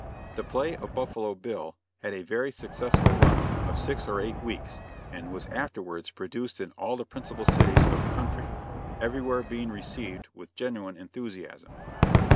The play of "Buffalo Bill" had a very successful run of six or eight weeks, and was afterwards produced in all the principal cities of the country, everywhere being received with genuine enthusiasm.